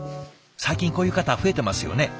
最近こういう方増えてますよね。